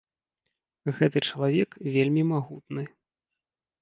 Гэта чалавек вельмі магутны.